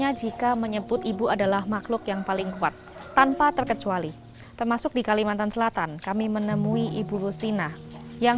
yang menyebutnya ibu yang paling kuat tanpa terkecuali termasuk di kalimantan selatan kami menemui ibu rusina yang menemui ibu rusina yang